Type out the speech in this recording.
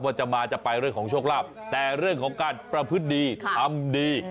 ว่าจะมาจะไปเรื่องของโชคลาภแต่เรื่องของการประพฤติดีทำดี